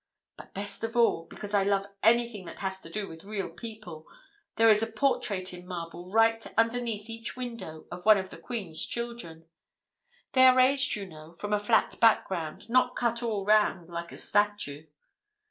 But, best of all, because I love anything that has to do with real people, there is a portrait in marble right underneath each window of one of the Queen's children. They are raised, you know, from a flat background, not cut all round like a statue."